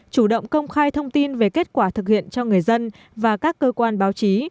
chủ động công khai thông tin về kết quả thực hiện cho người dân và các cơ quan báo chí